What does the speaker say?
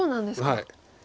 はい。